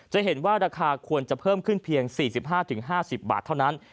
จะเห็นว่าราคาควรจะเพิ่มขึ้นเพียง๔๕๕๐บาทเท่านั้น